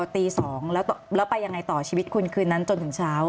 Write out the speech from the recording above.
ตี๒แล้วไปยังไงต่อชีวิตคุณคืนนั้นจนถึงเช้า